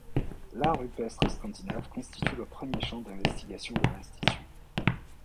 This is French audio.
L'art rupestre scandinave constitue le premier champ d'investigation de l'institut.